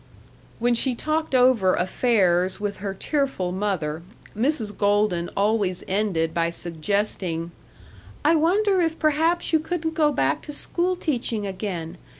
When she talked over affairs with her tearful mother, Mrs. Golden always ended by suggesting, "I wonder if perhaps you couldn't go back to school teaching again.